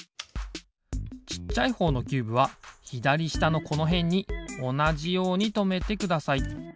ちっちゃいほうのキューブはひだりしたのこのへんにおなじようにとめてください。